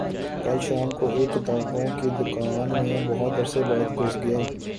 کل شام کو ایک کتابوں کی دکان میں بہت عرصے بعد گھس گیا